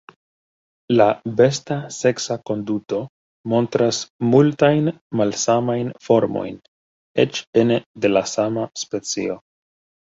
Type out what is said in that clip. La besta seksa konduto montras multajn malsamajn formojn, eĉ ene de la sama specio.